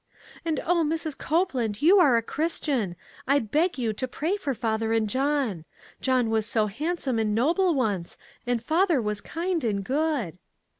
And oh I Mrs. Copeland, you are a Chris tian ; I beg you to pray for father and John. John was so handsome and noble once, and father was kind and good."